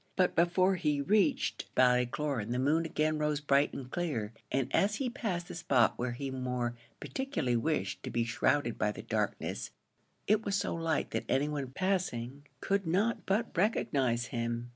But before he reached Ballycloran the moon again rose bright and clear, and as he passed the spot where he more particularly wished to be shrouded by the darkness, it was so light that any one passing could not but recognise him.